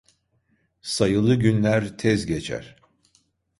Sayılı günler tez geçer.